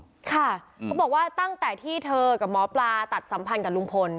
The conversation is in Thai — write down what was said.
เขาบอกว่าตั้งแต่ที่เธอกับหมอปลาตัดสัมพันธ์กับลุงพล